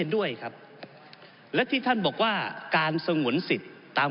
ผมอภิปรายเรื่องการขยายสมภาษณ์รถไฟฟ้าสายสีเขียวนะครับ